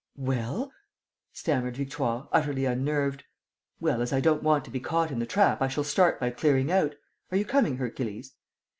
"Well...?" stammered Victoire, utterly unnerved. "Well, as I don't want to be caught in the trap, I shall start by clearing out. Are you coming, Hercules?"